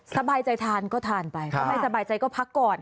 สบายใจทานก็ทานไปถ้าไม่สบายใจก็พักก่อน